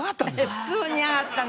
普通に上がったの？